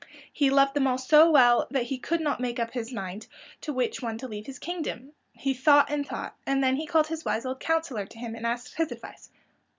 He loved them all so well that he could not make up his mind to which one to leave his kingdom. He thought and thought, and then he called his wise old councilor to him and asked his advice.